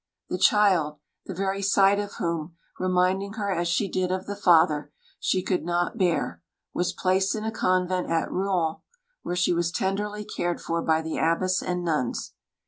The child the very sight of whom, reminding her as she did of the father, she could not bear was placed in a convent at Rouen, where she was tenderly cared for by the abbess and nuns.